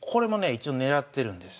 一応狙ってるんです。